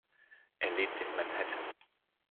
Er lebt in Manhattan.